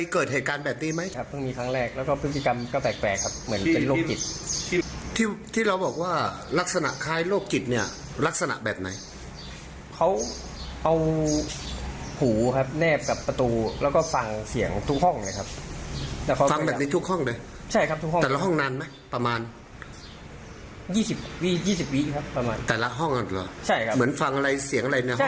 ประมาณ๒๐วิครับประมาณแต่ละห้องอ่ะหรอใช่ครับเหมือนฟังอะไรเสียงอะไรในห้อง